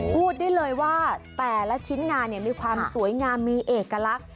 พูดได้เลยว่าแต่ละชิ้นงานมีความสวยงามมีเอกลักษณ์